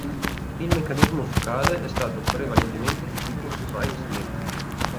Il meccanismo focale è stato prevalentemente di tipo "strike-slip".